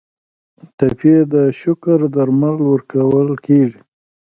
ټپي ته د شکر درمل ورکول کیږي.